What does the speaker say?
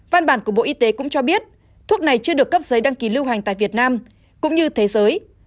văn bản của bộ y tế cũng cho biết thuốc này chưa được cấp giấy đăng ký lưu hành tại việt nam cũng như thế giới